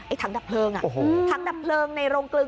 ไอ้ถังดับเพลิงอ่ะถังดับเพลิงไอ้รบเครือง